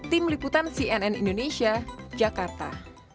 tim liputan cnn indonesia jakarta